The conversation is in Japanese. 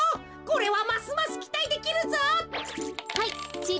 これはますますきたいできるぞ。はいちぃ